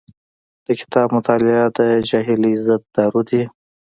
د کتاب مطالعه د جاهلۍ ضد دارو دی.